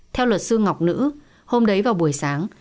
theo luật sư ngọc nữ hôm đấy vào buổi sáng